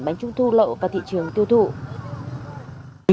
bánh trung thu lậu vào thị trường tiêu thụ